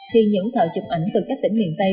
khi những thợ chụp ảnh từ các tỉnh miền tây